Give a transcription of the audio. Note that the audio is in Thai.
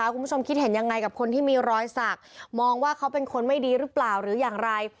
คุณผู้ชมคิดเห็นยังไงกับคนที่มีรอยสักมองว่าเขาเป็นคนไม่ดีหรือเปล่าหรืออย่างไร